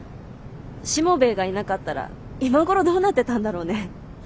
しもべえがいなかったら今頃どうなってたんだろうね。